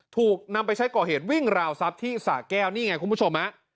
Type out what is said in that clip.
ถูกนำไปใช้ก่อเหตุวิ่งราวทรัพย์ที่สะแก้วนี่ไงคุณผู้ชมฮะ